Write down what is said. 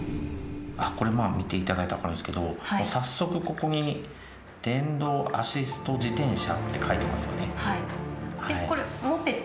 これ見ていただいたら分かるんですけど早速ここに「電動アシスト自転車」？